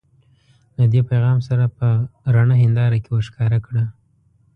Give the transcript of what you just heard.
له دې پیغام سره په رڼه هنداره کې ورښکاره کړه.